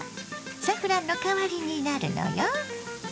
サフランの代わりになるのよ。